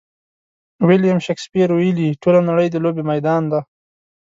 ویلیم شکسپیر ویلي: ټوله نړۍ د لوبې میدان دی.